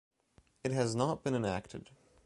It has not been enacted.